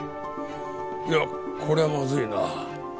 いやこりゃまずいな。